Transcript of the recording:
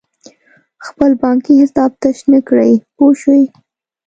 خپل بانکي حساب تش نه کړې پوه شوې!.